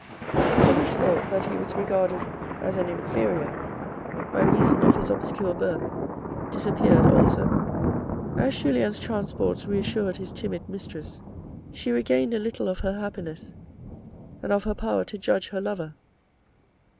The foolish thought that he was regarded as an inferior, by reason of his obscure birth, disappeared also. As Julien's transports reassured his timid mistress, she regained a little of her happiness, and of her power to judge her lover.